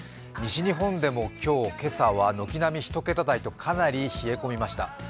西日本でも今朝は軒並み１桁台とかなり冷え込みました。